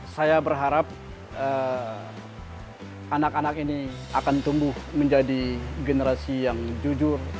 saya berharap anak anak ini akan tumbuh menjadi generasi yang jujur